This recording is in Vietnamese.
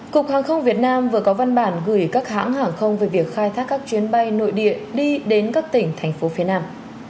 cục hàng không việt nam vừa có văn bản gửi các hãng hàng không về việc khai thác các chuyến bay nội địa đi đến các tỉnh thành phố phía nam